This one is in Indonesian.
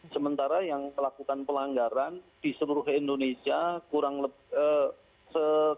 sementara yang melakukan pelanggaran di seluruh indonesia kurang lebih